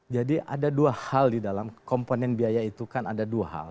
jadi ada dua hal di dalam komponen biaya itu kan ada dua hal